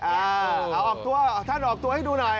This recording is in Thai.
อ้าวท่านออกตัวให้ดูหน่อย